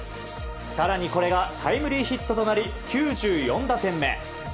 更にこれがタイムリーヒットとなり９４打点目。